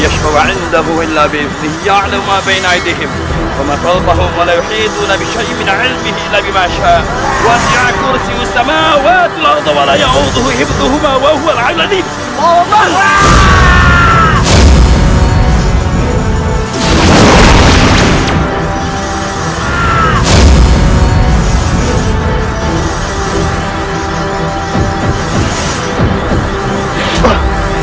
ibu nda akan beristirahat dengan berdoakan